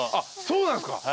そうなんすか。